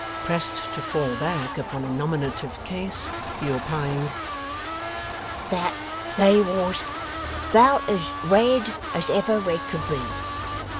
Pressed to fall back upon a nominative case, he opined that they wos about as red as ever red could be.